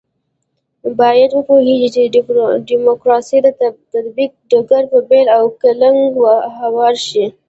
باید وپوهېږو چې د ډیموکراسۍ د تطبیق ډګر په بېل او کلنګ هوار شي.